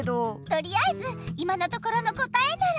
とりあえず今のところのこたえなら。